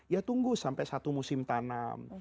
ya tunggu sampai satu musim tanam